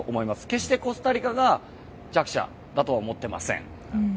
決してコスタリカが弱者だとは思ってません。